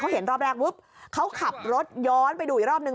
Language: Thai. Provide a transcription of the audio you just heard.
เห็นรอบแรกปุ๊บเขาขับรถย้อนไปดูอีกรอบนึง